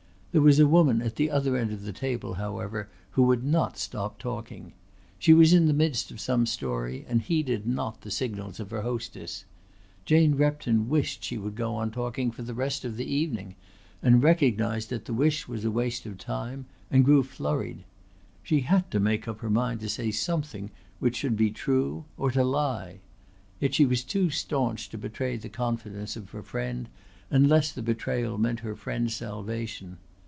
There was a woman at the other end of the table however who would not stop talking. She was in the midst of some story and heeded not the signals of her hostess. Jane Repton wished she would go on talking for the rest of the evening, and recognised that the wish was a waste of time and grew flurried. She had to make up her mind to say something which should be true or to lie. Yet she was too staunch to betray the confidence of her friend unless the betrayal meant her friend's salvation.